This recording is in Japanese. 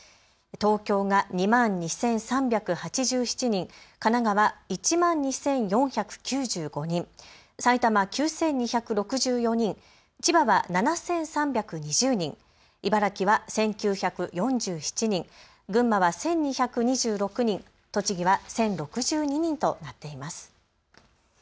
東京が２万２３８７人、神奈川、１万２４９５人、埼玉、９２６４人、千葉は７３２０人、茨城県は１９４７人、群馬は１２２６人、栃木は１０６２人となっています。